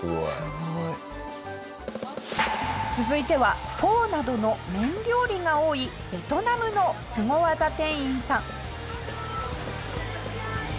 続いてはフォーなどの麺料理が多いベトナムのスゴ技店員さん。